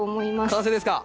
完成ですか？